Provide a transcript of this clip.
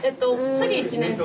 次１年生。